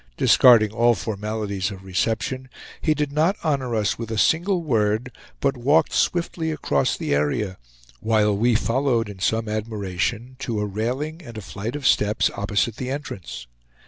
Discarding all formalities of reception, he did not honor us with a single word, but walked swiftly across the area, while we followed in some admiration to a railing and a flight of steps opposite the entrance.